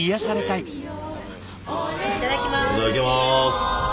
いただきます。